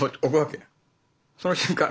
その瞬間